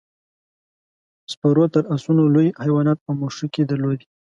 سپارو تر اسونو لوی حیوانات او مښوکې درلودې.